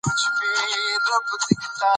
که زه نن تمرین ونه کړم، سبا به بیا پیل کړم.